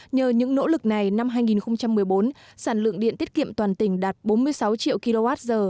nhờ những nỗ lực này năm hai nghìn một mươi bốn sản lượng điện tiết kiệm toàn tỉnh đạt bốn mươi sáu triệu kwh